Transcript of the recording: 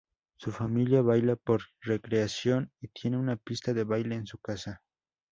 Su familia baila por recreación y tiene una pista de baile en su casa.